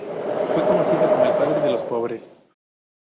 Fue conocido como el "padre de los pobres".